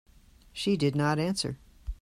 She did not answer.